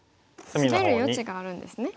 スベる余地があるんですね。